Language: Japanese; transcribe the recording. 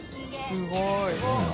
すごいな。